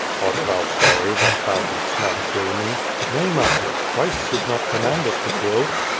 "Art thou sorry that thou didst not kill me?" "Nay, master. Christ did not command us to kill."